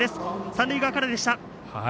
三塁側からでした。